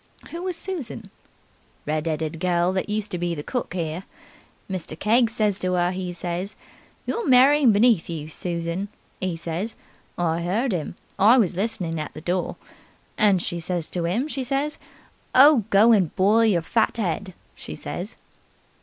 "Who was Susan?" "Red 'eaded gel that used to be cook 'ere. Mr. Keggs says to 'er, 'e says, 'You're marrying beneath you, Susan', 'e says. I 'eard 'im. I was listenin' at the door. And she says to 'im, she says, 'Oh, go and boil your fat 'ead', she says."